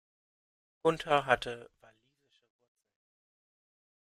Gunter hatte walisische Wurzeln.